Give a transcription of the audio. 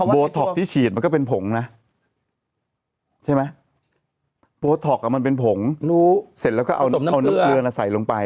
บอท็อกที่ฉีดมันก็เป็นผงนะใช่มะบอท็อกมันเป็นผงเสร็จแล้วก็เอานิดเกินอ่ะใส่ลงไป